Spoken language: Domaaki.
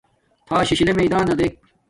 تھݳ شِشِلݺ مݵدݳنݳ دݵک.